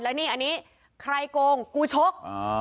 แล้วนี่อันนี้ใครโกงกูชก